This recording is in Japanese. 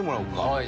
はい。